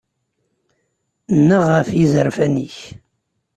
Nnaɣ ɣef yizerfan-ik.